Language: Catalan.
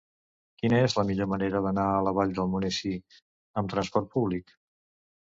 Quina és la millor manera d'anar a la Vall d'Almonesir amb transport públic?